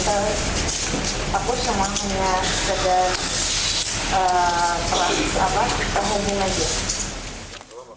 tapi aku semangatnya sedang kelamin aja